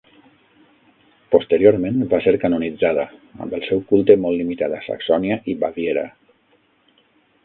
Posteriorment va ser canonitzada, amb el seu culte molt limitat a Saxònia i Baviera.